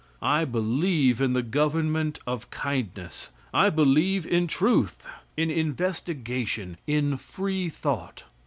I believe in the government of kindness; I believe in truth, in investigation, in free thought.